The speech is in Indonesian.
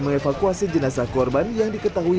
mengevakuasi jenazah korban yang diketahui